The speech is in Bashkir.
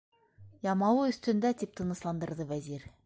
Ямауы өҫтөндә, - тип тынысландырҙы Вәзир.